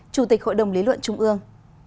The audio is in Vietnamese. chủ tịch hội đồng lý luận trung ương